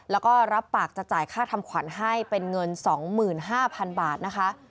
แล้วก็รับปากจะจ่ายค่าทำขวัญให้เป็นเงิน๒๕๐๐๐บาทนะคะ